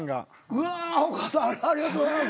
うわお母さんありがとうございます。